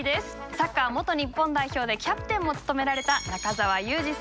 サッカー元日本代表でキャプテンも務められた中澤佑二さん。